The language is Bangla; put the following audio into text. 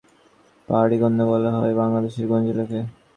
পাহাড়ি কন্যা বলা হয় বাংলাদেশের কোন জেলাকে?